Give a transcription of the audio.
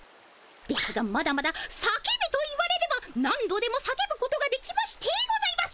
ですがまだまだ叫べと言われれば何度でも叫ぶことができましてございます。